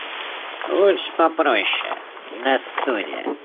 Лучше попроще, на стуле.